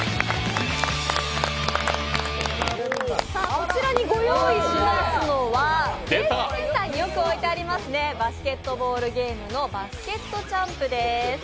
こちらにご用意しますのは、ゲームセンターによく置いてありますね、バスケットボールゲームの「バスケットチャンプ」です。